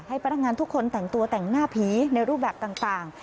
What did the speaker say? พนักงานทุกคนแต่งตัวแต่งหน้าผีในรูปแบบต่าง